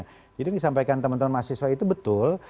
jadi yang disampaikan teman teman mahasiswa itu betul